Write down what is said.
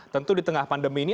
tentu di tengah pandemi ini